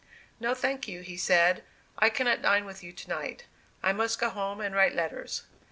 "No, thank you," he said; "I cannot dine with you to night; I must go home and write letters.